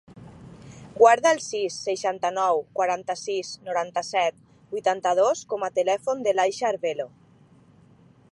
Guarda el sis, seixanta-nou, quaranta-sis, noranta-set, vuitanta-dos com a telèfon de l'Aixa Arvelo.